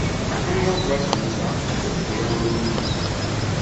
Tulina okubasomesa mutegeere bulungi.